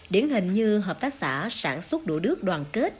điển hình như hợp tác xã sản xuất đũa đứt đoàn kết